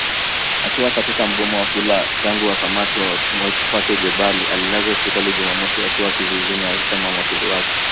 Akiwa katika mgomo wa kula tangu kukamatwa kwake Jebali alilazwa hospitali Jumamosi akiwa kizuizini walisema mawakili wake